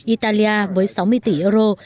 italia với sáu mươi tỷ euro